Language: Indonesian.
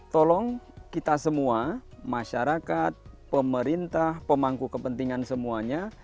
tolong kita semua masyarakat pemerintah pemangku kepentingan semuanya